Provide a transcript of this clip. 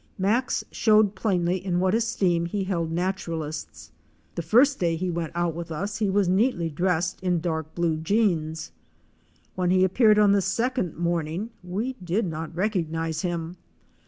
Max showed plainly in what esteem he held naturalists. The first day he went out with us he was neatly dressed in dark blue jeans. When he appeared on the second morning we did not recognize him.